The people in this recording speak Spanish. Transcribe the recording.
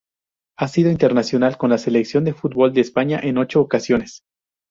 Ha sido internacional con la Selección de fútbol de España en ocho ocasiones.